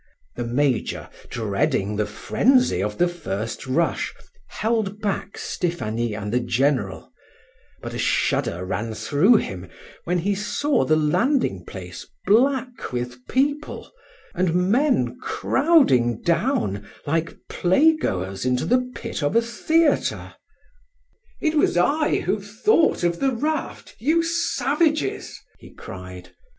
The major, dreading the frenzy of the first rush, held back Stephanie and the general; but a shudder ran through him when he saw the landing place black with people, and men crowding down like playgoers into the pit of a theatre. "It was I who thought of the raft, you savages!" he cried.